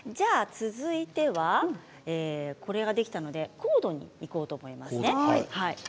続いては、これができたのでコードにいこうと思います。